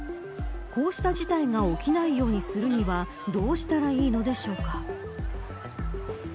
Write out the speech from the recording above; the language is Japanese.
こうした事態が起きないようにするにはどうしたらいいのでしょうか。